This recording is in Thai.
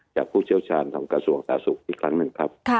จากผู้เชี่ยวชาญของเกษียวสาธุกรรมอีกครั้งหนึ่งครับ